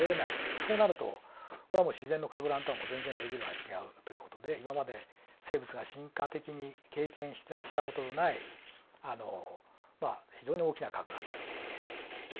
そうなるとこれは自然のかく乱とはもう全然レベルが違うという事で今まで生物が進化的に経験した事のないまあ非常に大きなかく乱であると。